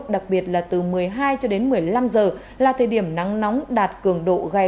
đặc biệt là từ một mươi hai cho đến một mươi năm giờ là thời điểm nắng nóng đạt cường độ gai gắt